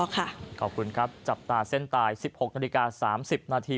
ขอบคุณครับจับตาเส้นตาย๑๖นาฬิกา๓๐นาที